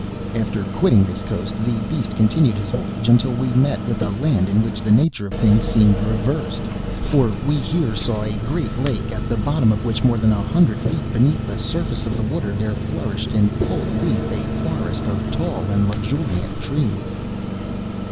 "'After quitting this coast, the beast continued his voyage until we met with a land in which the nature of things seemed reversed—for we here saw a great lake, at the bottom of which, more than a hundred feet beneath the surface of the water, there flourished in full leaf a forest of tall and luxuriant trees.